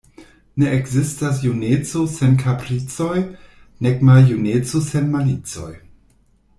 Ne ekzistas juneco sen kapricoj, nek maljuneco sen malicoj.